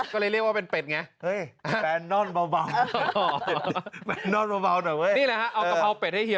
แซลไงแซล